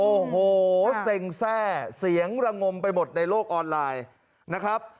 โอ้โหเส่งแทร่เสียงลงมไปหมดในโลกออนไลน์